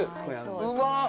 うまっ。